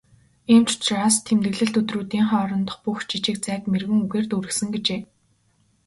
"Ийм ч учраас тэмдэглэлт өдрүүдийн хоорондох бүх жижиг зайг мэргэн үгээр дүүргэсэн" гэжээ.